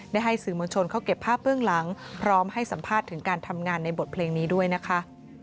ให้สื่อมวลชนเขาเก็บภาพเบื้องหลังพร้อมให้สัมภาษณ์ถึงการทำงานในบทเพลงนี้ด้วยนะคะ